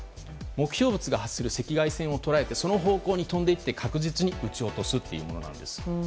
目標物が発する赤外線を捉えてその方向に飛んでいって確実に撃ち落とすというものなんです。